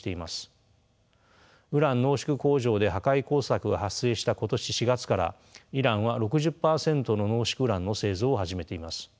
ウラン濃縮工場で破壊工作が発生した今年４月からイランは６０％の濃縮ウランの製造を始めています。